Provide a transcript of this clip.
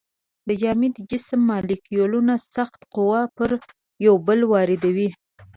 د جامد جسم مالیکولونه سخته قوه پر یو بل واردوي.